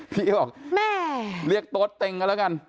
พี่ก็บอกแม่เรียกโต๊ดเต็งกันแล้วกัน